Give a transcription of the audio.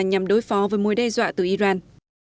nhằm đối phó với mối đe dọa từ iran